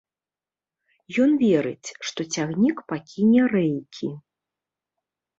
Ён верыць, што цягнік пакіне рэйкі.